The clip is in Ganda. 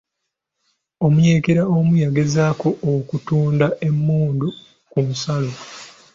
Omuyekera omu yagezaako okutunda emmundu ku nsalo.